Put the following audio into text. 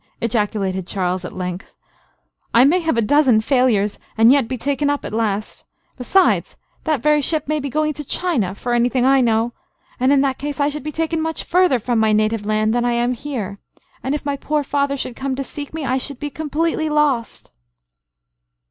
ejaculated Charles, at length; "I may have a dozen failures, and yet be taken up at last; besides, that very ship may be going to China, for any thing I know; and in that case, I should be taken much further from my native land than I am here; and if my poor father should come to seek me, I should be completely lost."